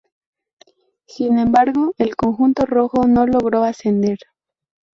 Sin embargo, el conjunto rojo no logró ascender.